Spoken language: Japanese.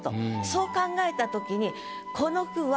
そう考えたときにこの句は。